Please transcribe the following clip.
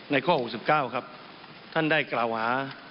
ข้อ๖๙ครับท่านได้กล่าวหา